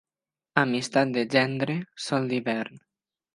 Amistat de gendre, sol d'hivern.